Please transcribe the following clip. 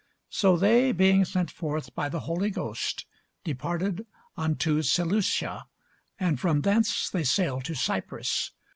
So they, being sent forth by the Holy Ghost, departed unto Seleucia; and from thence they sailed to Cyprus.